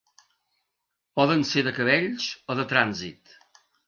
Poden ser de cabells o de trànsit.